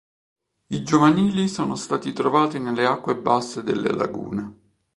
I giovanili sono stati trovati nelle acque basse delle lagune.